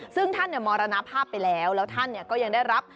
ซึ่งท่านมรณภาพไปแล้วแล้วท่านก็ยังได้รับ